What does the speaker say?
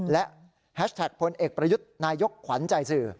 และแฮชแท็กพลเอกประยุทธ์นายกขวัญใจสื่อ